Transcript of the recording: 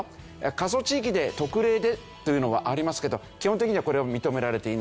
過疎地域で特例でというのはありますけど基本的にはこれを認められていない。